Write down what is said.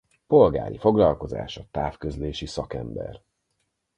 Polgári foglalkozása távközlési szakember.